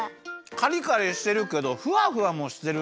カリカリしてるけどふわふわもしてるね